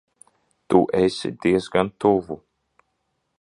Tu esi diezgan tuvu.